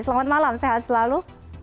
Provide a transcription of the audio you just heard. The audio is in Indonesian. selamat malam sehat selalu